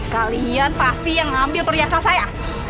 kalian pasti yang ambil kerjasama saya